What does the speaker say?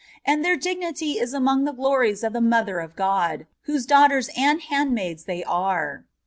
And their dignity is among the glorìes of the Mother of God, whose daughters and handmaìds they are.